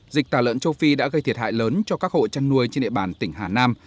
dịch tả lợn châu phi đã gây thiệt hại lớn cho các hộ chăn nuôi trên địa bàn tỉnh hà nam